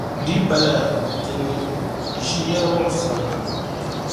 di yi pa lala di ni ʒi yɛli' muɣisira na.